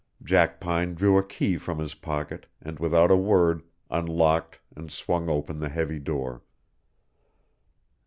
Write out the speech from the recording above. Jackpine drew a key from his pocket and without a word unlocked and swung open the heavy door.